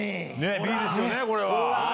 Ｂですよねこれは。